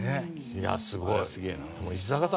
いやすごい。